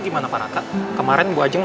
gimana pak raka kemarin ibu ajeng